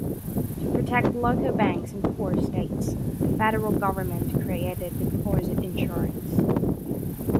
To protect local banks in poorer states, the federal government created deposit insurance.